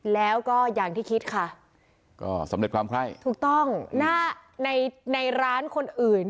แล้วก็อย่างที่คิดค่ะก็สำเร็จความไข้ถูกต้องหน้าในในร้านคนอื่น